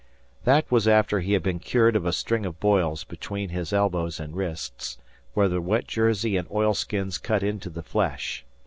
That was after he had been cured of a string of boils between his elbows and wrists, where the wet jersey and oilskins cut into the flesh.